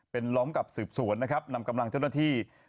เป็นล้อมกับสืบสวนนะครับนำกำลังเจ้าหน้าที่